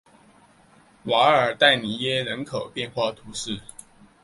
瓦尔代里耶人口变化图示